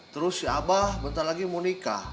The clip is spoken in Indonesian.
terus abah bentar lagi mau nikah